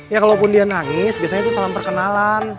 ya kalaupun dia nangis biasanya itu salam perkenalan